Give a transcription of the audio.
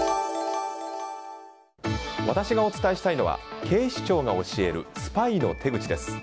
私がお伝えしたいのは警視庁が教えるスパイの手口です。